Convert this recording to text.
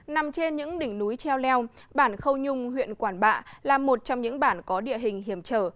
nằm trên những đỉnh núi treo leo bản khâu nhung huyện quản bạ là một trong những bản có địa hình hiểm trở